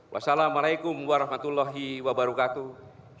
wassalamu'alaikum warahmatullahi wabarakatuh